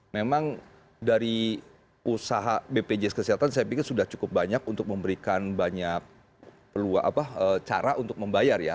memang dari usaha bpjs kesehatan saya pikir sudah cukup banyak untuk memberikan banyak cara untuk membayar ya